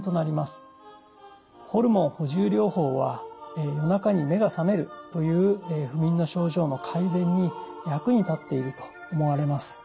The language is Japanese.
ホルモン補充療法は夜中に目が覚めるという不眠の症状の改善に役に立っていると思われます。